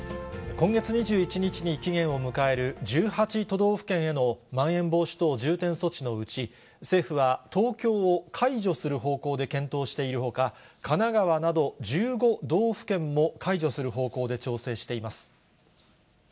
今月２１日に期限を迎える、１８都道府県へのまん延防止等重点措置のうち、政府は東京を解除する方向で検討しているほか、神奈川など１５道府県も解除する方向で調整しています。